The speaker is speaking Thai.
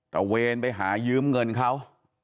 ระเวนไปหายืมเงินเขา